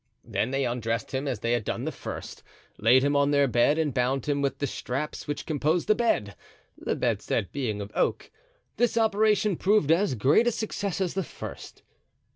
Then they undressed him as they had done the first, laid him on their bed and bound him with the straps which composed the bed—the bedstead being of oak. This operation proved as great a success as the first.